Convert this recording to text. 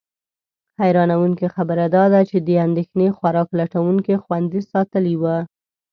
حیرانونکې خبره دا ده چې دې اندېښنې خوراک لټونکي خوندي ساتلي ول.